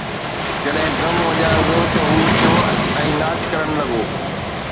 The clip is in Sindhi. جڏهن ڊرم وڄايو ويو ته هو اٿيو ۽ ناچ ڪرڻ لڳو